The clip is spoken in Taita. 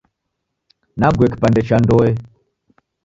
Nague kipande cha ndoe.